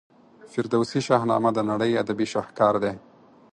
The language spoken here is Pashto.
فردوسي شاهنامه د نړۍ ادبي شهکار دی.